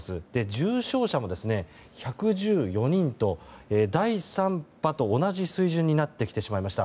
重症者も１１４人と第３波と同じ水準になってきてしまいました。